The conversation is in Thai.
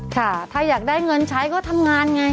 ค่ะถ้าอยากได้เงินใช้ก็ทำงานไง